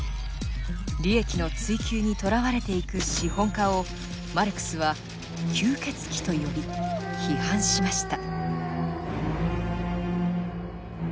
利益の追求にとらわれていく資本家をマルクスは「吸血鬼」と呼び批判しました。